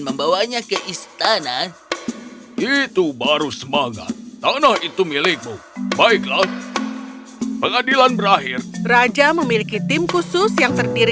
semangat tanah itu milikmu baiklah pengadilan berakhir raja memiliki tim khusus yang terdiri